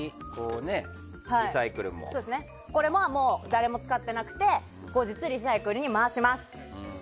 これも誰も使っていなくて後日リサイクルに回します。